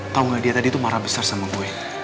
tau gak dia tadi itu marah besar sama gue